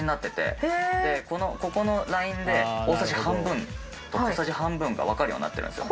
ここのラインで大さじ半分と小さじ半分がわかるようになってるんですよ。